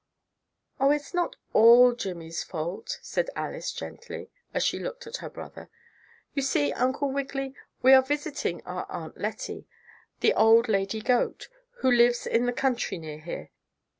"Oh! it's not all Jimmie's fault," said Alice gently, as she looked at her brother. "You see, Uncle Wiggily, we are visiting our Aunt Lettie, the old lady goat, who lives in the country near here.